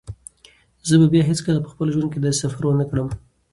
زه به بیا هیڅکله په خپل ژوند کې داسې سفر ونه کړم.